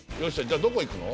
じゃどこ行くの？